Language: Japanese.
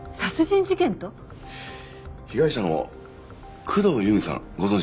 被害者の工藤由美さんご存じですよね？